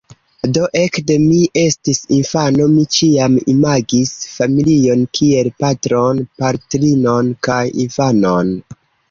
Do, ekde mi estis infano, mi ĉiam imagis familion kiel patron, patrinon kaj infanon.